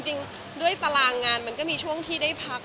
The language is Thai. จริงด้วยตารางงานมันก็มีช่วงที่ได้พัก